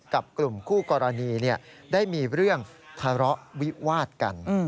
กับกลุ่มคู่กรณีได้มีเรื่องทะเลาะวิวาดกัน